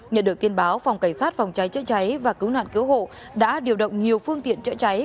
nhận được tin báo phòng cảnh sát phòng cháy chữa cháy và cứu nạn cứu hộ đã điều động nhiều phương tiện chữa cháy